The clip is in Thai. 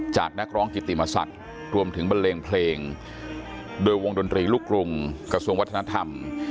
นักร้องกิติมศักดิ์รวมถึงบันเลงเพลงโดยวงดนตรีลูกกรุงกระทรวงวัฒนธรรม